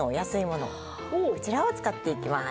こちらを使っていきます。